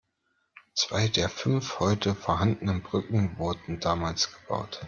Zwei der fünf heute vorhandenen Brücken wurden damals gebaut.